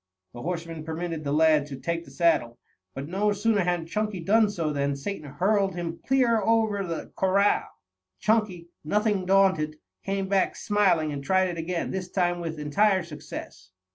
The horseman permitted the lad to take to the saddle, but no sooner had Chunky done so, than Satan hurled him clear over the corral. Chunky, nothing daunted, came back smiling and tried it again, this time with entire success.